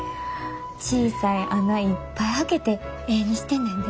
小さい孔いっぱい開けて絵にしてんねんで。